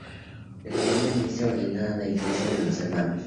Es ministra ordenada de la Iglesia de los Hermanos.